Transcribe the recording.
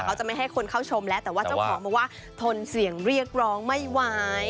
เขาจะไม่ให้คนเข้าชมแล้วแต่ว่าเจ้าของบอกว่าทนเสียงเรียกร้องไม่ไหว